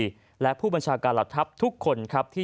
พลเอกเปรยุจจันทร์โอชานายกรัฐมนตรีพลเอกเปรยุจจันทร์โอชานายกรัฐมนตรี